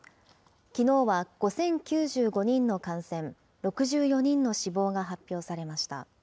きのうは５０９５人の感染、６４人の死亡が発表されました。